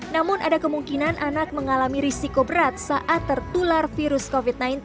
namun ada kemungkinan anak mengalami risiko berat saat tertular virus covid sembilan belas